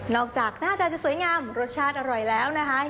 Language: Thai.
จากหน้าตาจะสวยงามรสชาติอร่อยแล้วนะคะ